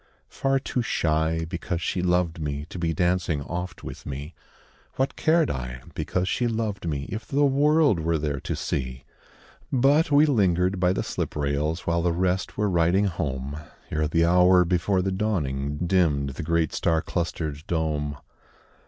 Far too shy, because she loved me, To be dancing oft with me; What cared I, because she loved me, If the world were there to see? But we lingered by the slip rails While the rest were riding home, Ere the hour before the dawning, Dimmed the great star clustered dome.